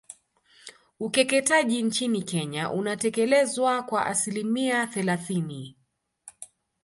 Ukeketaji nchini Kenya unatekelezwa kwa asilimia thelathini